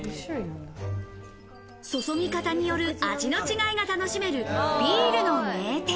注ぎ方による味の違いが楽しめるビールの名店。